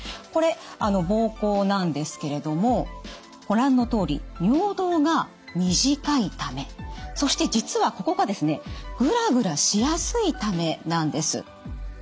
これ膀胱なんですけれどもご覧のとおり尿道が短いためそして実はここがですねグラグラしやすいためなんです。